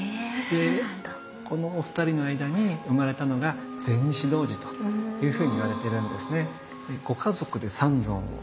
このお二人の間に生まれたのが善膩師童子というふうにいわれているんですね。